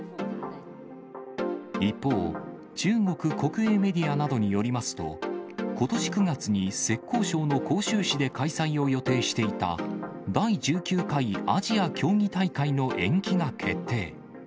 一方、中国国営メディアなどによりますと、ことし９月に浙江省の杭州市で開催を予定していた、第１９回アジア競技大会の延期が決定。